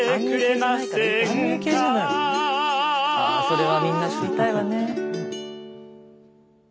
それはみんな知りたいわね。